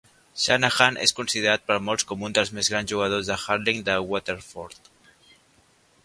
Shanahan és considerat per molts com un dels més grans jugadors de hurling de Waterford.